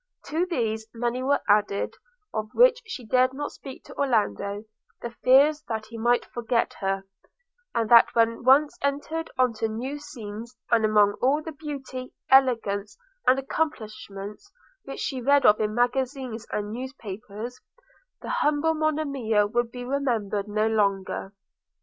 To these many were added, of which she dared not speak to Orlando: the fears that he might forget her; and that when once entered on new scenes, and among all the beauty, elegance, and accomplishments which she read of in magazines and newspapers, the humble Monimia would be remembered no longer.